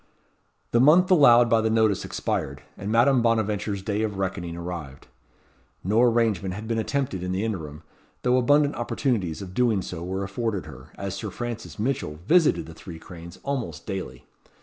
The month allowed by the notice expired, and Madame Bonaventure's day of reckoning arrived. No arrangement had been attempted in the interim, though abundant opportunities of doing so were afforded her, as Sir Francis Mitchell visited the Three Cranes almost daily.